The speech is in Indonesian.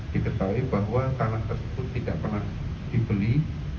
diketahui bahwa tanah tersebut tidak pernah dibeli